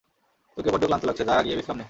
তোকে বড্ড ক্লান্ত লাগছে, যা গিয়ে বিশ্রাম নে!